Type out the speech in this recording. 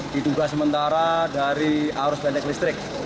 diduga sementara dari arus pendek listrik